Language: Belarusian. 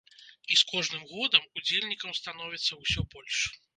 І з кожным годам удзельнікаў становіцца ўсё больш.